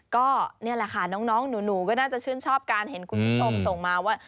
ก็นี่แหละค่ะน้องหนูก็น่าจะชื่นชอบการเห็นคุณผู้ชมส่งมาว่า